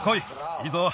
いいぞ。